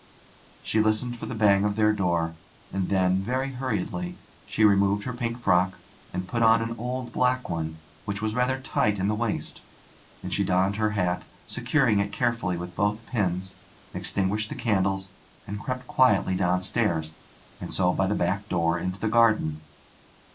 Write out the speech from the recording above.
She listened for the bang of their door, and then, very hurriedly, she removed her pink frock and put on an old black one, which was rather tight in the waist. And she donned her hat, securing it carefully with both pins, extinguished the candles, and crept quietly downstairs, and so by the back door into the garden.